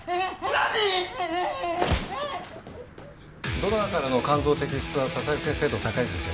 ドナーからの肝臓摘出は佐々井先生と高泉先生。